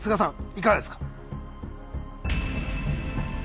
いかがですか？